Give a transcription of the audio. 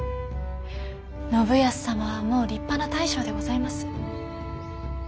信康様はもう立派な大将でございます。